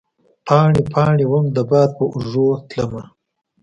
پاڼې ، پا ڼې وم د باد په اوږو تلمه